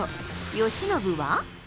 由伸は。